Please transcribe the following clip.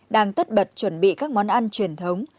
đang tất bật chuẩn bị các món ăn truyền thống